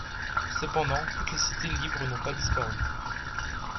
Cependant, toutes les cités libres n'ont pas disparu.